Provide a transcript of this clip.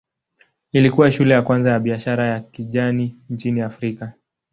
Ilikuwa shule ya kwanza ya biashara ya kijani nchini Afrika.